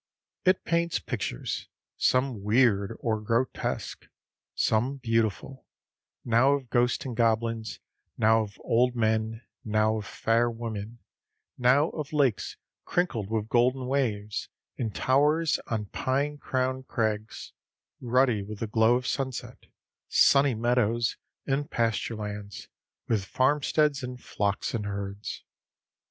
It paints pictures, some weird or grotesque, some beautiful, now of ghosts and goblins, now of old men, now of fair women, now of lakes crinkled with golden waves and towers on pine crowned crags ruddy with the glow of sunset, sunny meadows and pasture lands, with farmsteads and flocks and herds.